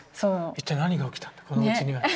一体何が起きたんだこのうちには。